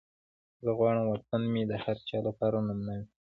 زه غواړم وطن مې د هر چا لپاره نمونه وي.